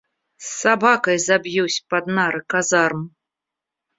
Собакой забьюсь под нары казарм!